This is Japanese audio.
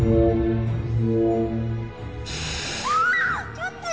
ちょっと！